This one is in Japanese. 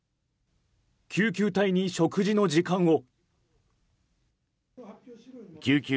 救急隊に食事の時間を！